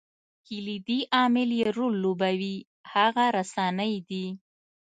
کلیدي عامل چې رول لوبوي هغه رسنۍ دي.